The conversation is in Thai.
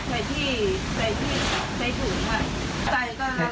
ใส่ที่ใส่ถึง